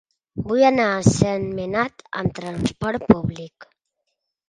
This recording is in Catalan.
Vull anar a Sentmenat amb trasport públic.